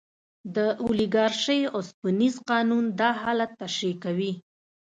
د اولیګارشۍ اوسپنیز قانون دا حالت تشریح کوي.